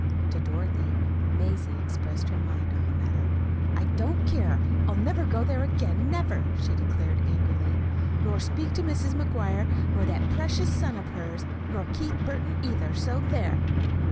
To Dorothy Mazie expressed her mind on the matter. "I don't care! I'll never go there again never!" she declared angrily; "nor speak to Mrs. McGuire, nor that precious son of hers, nor Keith Burton, either. So there!"